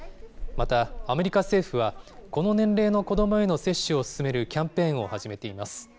またアメリカ政府は、この年齢の子どもへの接種をすすめるキャンペーンを始めています。